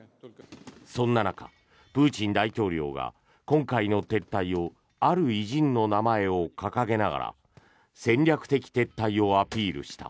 そんな中、プーチン大統領が今回の撤退をある偉人の名前を掲げながら戦略的撤退をアピールした。